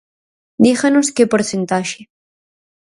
Díganos que porcentaxe.